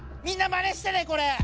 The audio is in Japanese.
みんなまねしてねこれ！